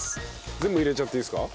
全部入れちゃっていいですか？